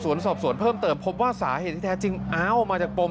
สอบสวนเพิ่มเติมพบว่าสาเหตุที่แท้จริงอ้าวมาจากปม